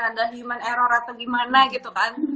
ada human error atau gimana gitu kan